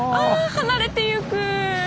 離れてゆく！